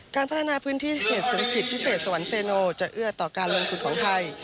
การพัฒนาพื้นที่เขตเศรษฐกิจพิเศษสวรรคเซโนจะเอื้อต่อการลงทุนของไทย